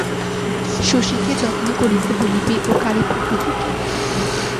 শশীকে যত্ন করিতে বলিবে ও কালী প্রভৃতিকে।